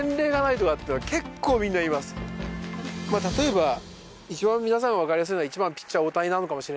例えば一番皆さんがわかりやすいのは１番ピッチャー大谷なのかもしれないけれども。